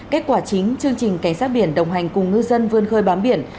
kết quả chính chương trình cảnh sát biển đồng hành cùng ngư dân vươn khơi bám biển